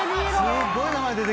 すっごい名前出てきた。